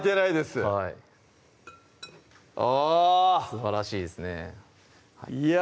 すばらしいですねいや